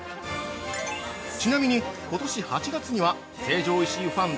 ◆ちなみに、ことし８月には成城石井ファン